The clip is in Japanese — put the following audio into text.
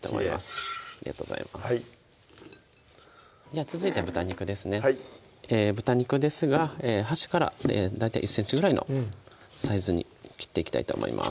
きれいありがとうございます続いて豚肉ですねはい豚肉ですが端から大体１ｃｍぐらいのサイズに切っていきたいと思います